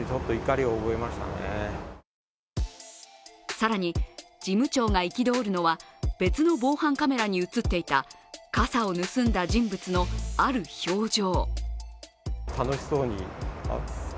更に、事務長が憤るのは別の防犯カメラに映っていた傘を盗んだ人物のある表情。